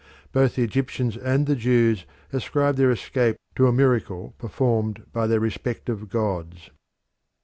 Both the Egyptians and the Jews ascribed their escape to a miracle performed by their respective gods.